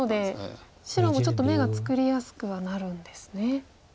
白もちょっと眼が作りやすくはなるんですね。